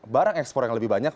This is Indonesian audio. barang ekspor yang lebih banyak